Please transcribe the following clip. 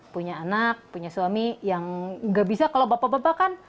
punya anak punya suami yang gak bisa kalau bapak bapak kan